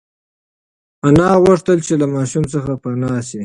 انا غوښتل چې له ماشوم څخه پنا شي.